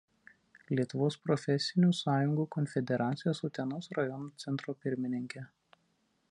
Lietuvos profesinių sąjungų konfederacijos Utenos rajono centro pirmininkė.